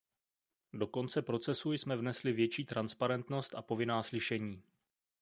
Do konce procesu jsme vnesli větší transparentnost a povinná slyšení.